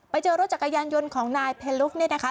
ไปเจอรถจักรยานยนต์ของนายเพลุกเนี่ยนะคะ